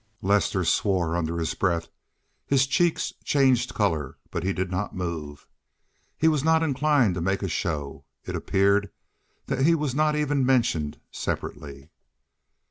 Lester swore under his breath. His cheeks changed color, but he did not move. He was not inclined to make a show. It appeared that he was not even mentioned separately.